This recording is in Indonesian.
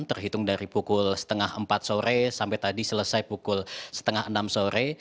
terhitung dari pukul setengah empat sore sampai tadi selesai pukul setengah enam sore